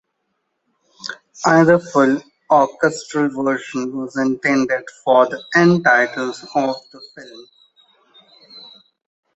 Another full orchestral version was intended for the end titles of the film.